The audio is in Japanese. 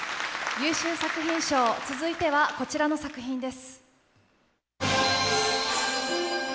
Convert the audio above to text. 優秀作品賞、続いてはこちらの作品です。